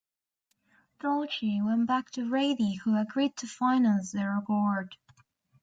Dolce went back to Brady who agreed to finance the record.